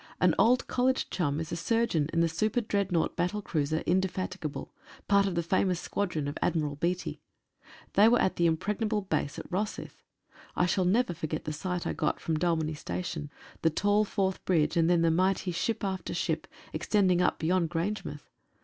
An old college chum is a surgeon on the super Dreadnought battle cruiser Indefatigable, part of the famous squadron of Admiral Beattie. They were at the impregnable base at Rosyth. I shall never forget the sight I got from Dalmeny Station — the tall Forth Bridge, and then mighty ship after ship, extending up beyond Grange mouth.